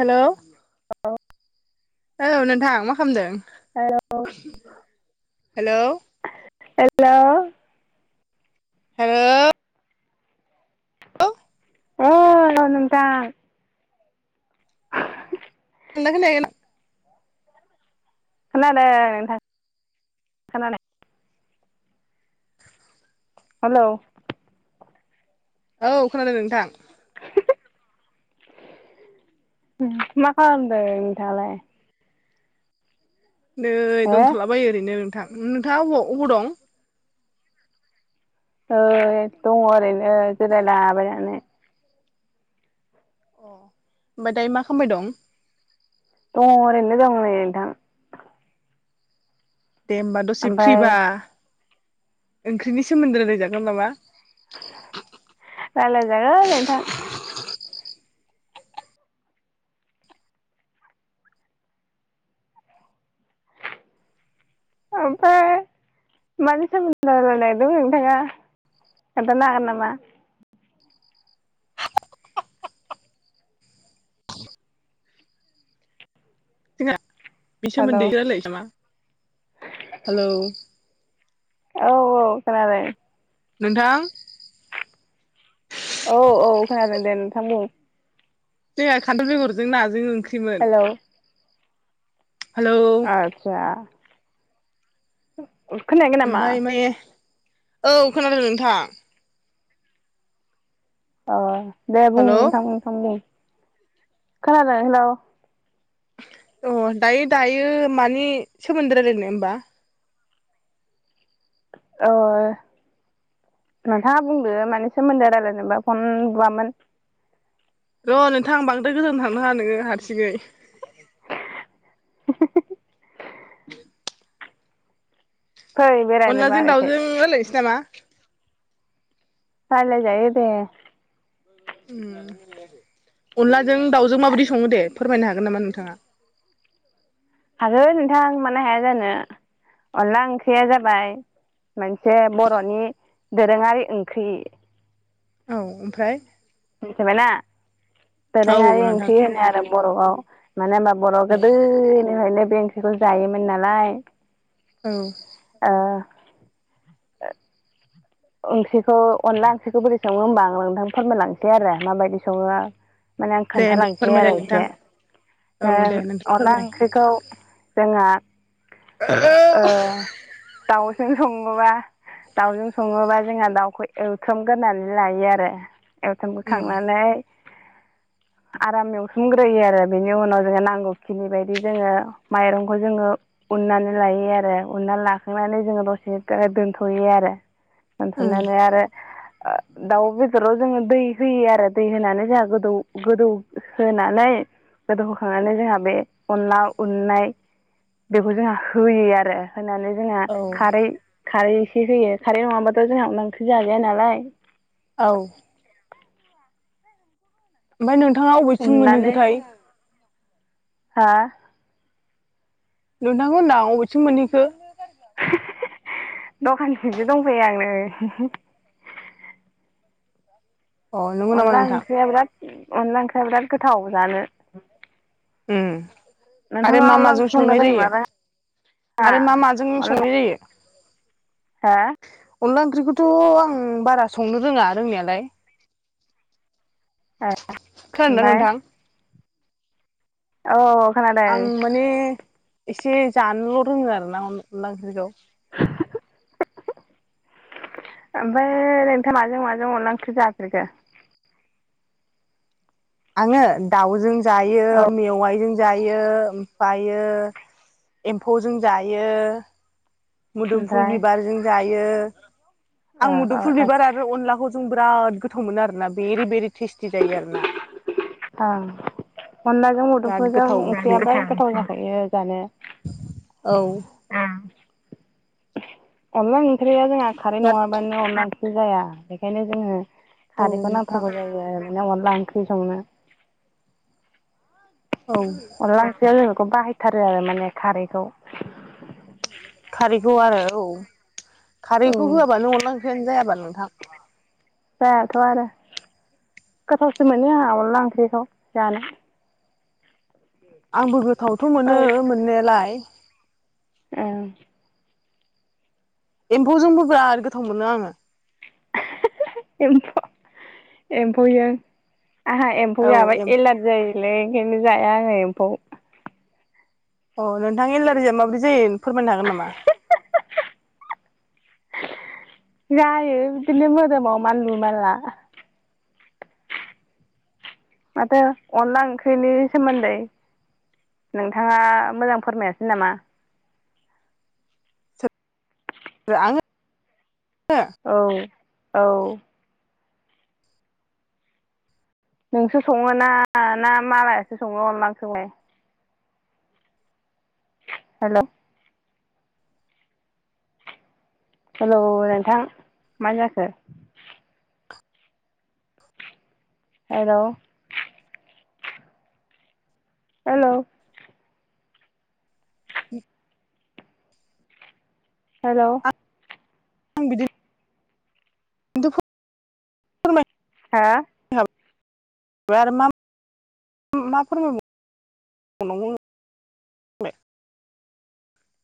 Hello औ औ नोंथां मा खालामदों? हेल' हेलौ हेलौ हेलौ औ रं नोंथां। खोनादोंना खैनायाखै खोनादों नोंथां खोनादों। हेलौ औ खोनादों नोंथां। मा खालामदों नोंथां आलाय? नै हो दोनथ'लाबायो ओरैनो नोंथां। नोंथाङा अबाव अबाव दं? ओ दङ ओरैनो जिरायलाबायनानै। अ ओमबा दायो मा खामबाय दं दङ ओरैनो दङ नै नोंथां। दे होमबा दसे ओमफ्राय फ्रिबा ओंख्रिनि सोमोन्दै रायलायजागोन नामा। रायलाय जागोन नोंथां। ओमफाय मानि सोमोनदै रायलायनायदों नोंथाङा खोन्थानो हागोन नामा। जोंहा [unintelligible] हेलौ सोमोन्दै रालायनो नामा हेलौ औ औ खोनादो नोंथां। औ औ खोनादों दे नोंथां बुं। जोंहा खान्थाल बेगरजों नाजों ओं हेलौ हेलौ आतसा। नामा ओमफाय [unintelligible] औ खोनादों नोंथां। अ दे बुं हेलौ नोंथां नोंथां बुं खोनादों हेलौ अ दायो दायो मानि सोमोन्दै रायलायनो होमबा। अओ नोंथाङा बुंदो मानि सोमोन्दो रायलायनोबा फन बुआमोन र' नोंथां बांद्राय गोजान थांनाङा नोङो हारसिङै। [unintelligible] फै बेरायनोबा अनलाजों ओरैखाय दाउजों रायलायनोसै नामा। रायलायजायो दे। अनलाजों दाउजों माबोदि सङो दे, फोरमायनो हागोन नामा नोंथाङा। हागोन नोंथां मानो हाया जानो अनला ओंख्रिया जाबाय मोनसे बर'नि दोरोङारि ओंख्रि। औ ओमफ्राय। मिथिबाय ना, औ दोरोङारि नोंथां ओंख्रि होनो खोनादों। आरो बर'आव। मानो होनबा बर' औ गोदोनिफ्रायनो बे ओंख्रिखौ जायोमोन नालाय, औ ओ ओंख्रिखौ अनला ओंख्रिखौ बोरै सङो होमबा आं नोंथां फोरमायलांसै आरो माबायदि सङो माने आं दे दे खोन्थालांसै फोरमायलाय आरो नोंथां एसे औ दे नोंथां अनला फोरमाय ओंख्रिखौ जोङा ओ दाउजों सङोबा दाउजों सङोबा जोंहा दाउखौ एवथोममग्रोनानै लायो आरो उम एवथोमखांनानै [unintelligible] आराम एवसोमग्रोयो आरो बेनि उनाव जोङो नांगौखिनि बायदि जोङो माइरंखौ जोङो उननानै लायो आरो उननानै लाखांनानै जोङो दसे ओ दोनथ'यो आरो। उम दोनथनानै आरो दाउ बेदराव जोङो दै होयो आरो दै होनानै जोंहा गोदौ गोदौ होनानै गोदौ होखांनानै जोंहा बे अनला उननाय बेखौ जोंहा होयो आरो। होनानै जोंहा औ खारै खारै इसे होयो खारै नङाबाथ' जोंहा अनला ओंख्रि जाजाया नालाय। औ। ओमफ्राय नोंथाङा अबेथिं उननानै मोनहैखोथाय। हा नोंथांखौ होन्दां अबेथिं मोनहैखो दखानथिंसो दंफैयो आं नै अ नंगौ नामा अनला नोंथां ओंख्रिया बिराद अनला ओंख्रिया बिराद गोथाव जानो। ओम आरो नोंथाङा अनला मा-माजों ओंख्रि संनो संनाय जायो रोंगोना आरो मा माजों संनाय जायो? हा? अनला ओंख्रिखौथ' आं बारा संनो रोङा रोंनायालाय। खोनादोंना ओमफ्राय नोंथां? औ औ खानादों। आं माने एसे जानोल' रोङो आरोना अन अनला ओंख्रिखौ। [unintelligible] ओमफ्राय नोंथां माजों माजों अनला ओंख्रि जाफेरखो? आङो दाउजों जायो औ मेवाइजों जायो ओमफ्रायो एम्फौजों जायो। मोदोमफुल ओमफ्राय बिबारजों जायो ओ आं ओ मुदुमफुल बिबार आरो अनलाखौ जों बिराद गोथाव मोनो आरोना भेरि भेरि टेस्टि जायो आरोना। ओं अनलाजों बिराद मुदुमफुलजों गोथाव ओंख्रि एसेयालाय गोथाव जाखायो जानो। औ। अनला ओंख्रिया जोंहा खारै बिराद नङाबानो अनला ओंख्रि जाया बेखायनो जोङो औ खारैखौ नोंथां नांथारगौ जायो आरोना अनला ओंख्रि संनो। [inaudible] औ। अनला ओंख्रियाव जों बेखौ बाहायथारो आरो माने खारैखौ। खारैखौ आरो औ खारैखौ होआबानो अनला ओंख्रियानो जायाबा नोंथां। जायाथ' आरो गोथावसो मोनो आंहा अनला ओंख्रिखौ जानो। आंबो गोथावथ' मोनो ओं मोननायालाय। ओं। एम्फौजोंबो बिराद गोथाव मोनो आंङो। [unintelligible] एम्फौजों आंहा एम्फौ औ जाबा एम्फौ एलार जायोलै ओंखायनो जाया आंङो एम्फौ। अ नोंथां एलारजिआ माबोरै जायो फोरमायनो हागोन नामा? [unintelligible] जायो बिदिनो मोदोमाव मानलु मानला। माथो अनला ओंख्रिनि सोमोन्दै नोंथाङा मोजां फोरमायासै नामा? ओ आंङो औ औ। नोंसो संङोना ना मालायासो संङो अनला ओंख्रिखौलाय? [unintelligible] हेल'। हेलौ नोंथां मा जाखो? हेल'। हेल'। [inaudible] हेल'। आं बिदि थ' फो [inaudible] फोरमाय हा? [unintelligible] ओमफाय आरो मा मा फोरमाय बावनांगौ आंङो?